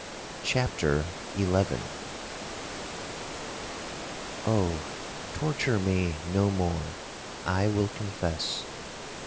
CHAPTER XI Oh! torture me no more, I will confess.